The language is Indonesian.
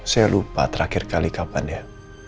saya lupa terakhir kali kapan ya